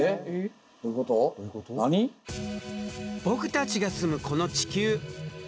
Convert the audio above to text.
僕たちが住むこの地球。